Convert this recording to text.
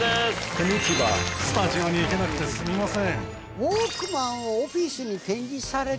こんにちはスタジオに行けなくてすみません。